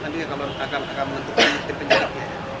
nanti akan menentukan penyitik penjidiknya